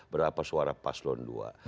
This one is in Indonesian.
berapa suara paslon dua